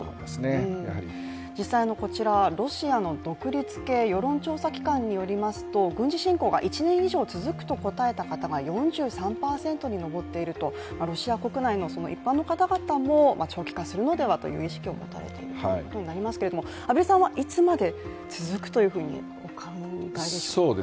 実際こちら、ロシアの独立系世論調査機関によりますと、軍事侵攻が１年以上続くと答えた方が４３％に上っていると、ロシア国内の一般の方々も長期化するのではという意識があるということですけどもいつまで続くとお考えでしょうか？